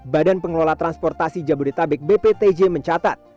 badan pengelola transportasi jabodetabek bptj mencatat